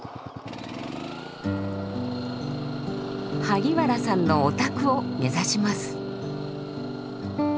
萩原さんのお宅を目指します。